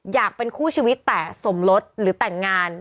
อยากเป็นคู่ชีวิตแต่สมรสหรือแต่งงาน